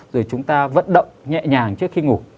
rồi chúng ta vận động nhẹ nhàng trước khi ngủ